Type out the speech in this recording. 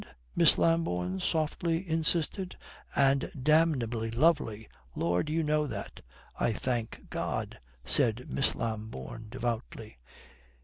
Miss Lambourne softly insisted. "And damnably lovely. Lord, you know that." "I thank God," said Miss Lambourne devoutly.